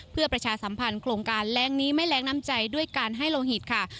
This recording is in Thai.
เพื่อประชาสัมพันธ์โครงการแรงนี้ไม่แรงน้ำใจด้วยการให้โลหิตค่ะ